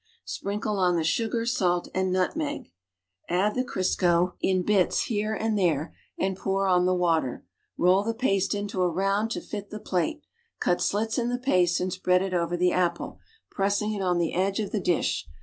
sprinkle on the sugar, salt and nutmeg, add the Crisco in 67 U sp. levpl nirdxiirrmciils fur III! hnjrnlinils liits here and there and pour on the water. Roll the paste into a round to fit the plate. Cut .slits in the paste and spread it over the apple, pressing it on the edge of the dish.